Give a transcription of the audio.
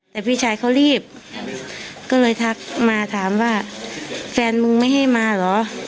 แต่พี่ชายเขารีบก็เลยทักมาถามว่าแฟนมึงไม่ให้มาเหรอ